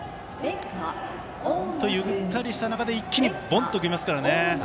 本当、ゆったりした中で一気にボンときますからね。